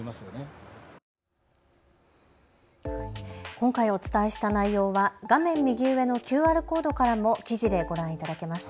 今回お伝えした内容は画面右上のＱＲコードからも記事でご覧いただけます。